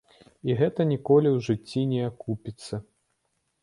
І гэта ніколі ў жыцці не акупіцца.